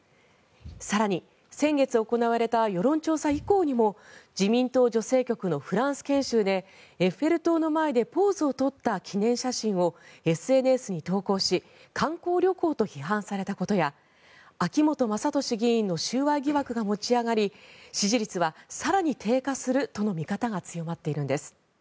更に、先月行われた世論調査以降にも自民党女性局のフランス研修でエッフェル塔の前でポーズを取った記念写真をＳＮＳに投稿し観光旅行と批判されたことや秋本真利議員の収賄疑惑が持ち上がり支持率は更に低下するとの見方が強まっているんです。